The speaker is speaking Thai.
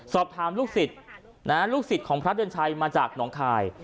สอบถามลูกศิษย์ลูกศิษย์ของพระเดือนชัยมาจากหนองคาย